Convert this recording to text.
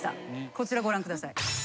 こちらご覧ください。